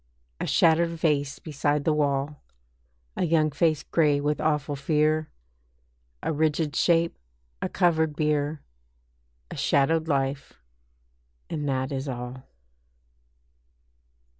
A shattered vase beside the wall; A young face grey with awful fear, A rigid shape, a covered bier, A shadowed life, and that is all.